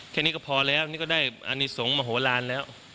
แค่นี้ก็พอแล้วนี่ก็ได้อนิสงฆ์มโหลานแล้ว